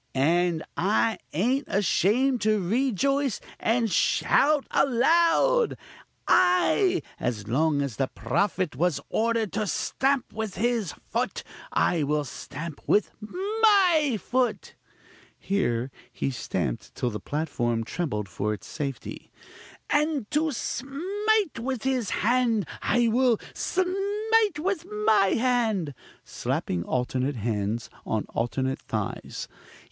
_ and I ain't ashamed to rejoice and shout aloud. Ay! as long as the prophet was ordered to stamp with his foot, I will stamp with my foot; (here he stamped till the platform trembled for its safety) and to smite with his hand, I will smite with my hand (slapping alternate hands on alternate thighs.)